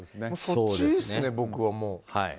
そっちですね、僕はもう。